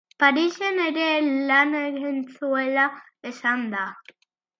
Parisen ere lan egin zuela esan da.